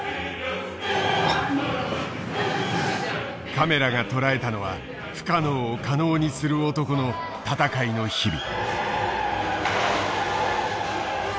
カメラが捉えたのは不可能を可能にする男の闘いの日々。